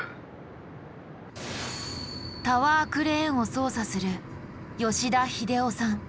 タワークレーンを操作する吉田秀雄さん。